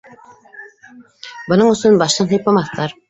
Бының өсөн баштан һыйпамаҫтар.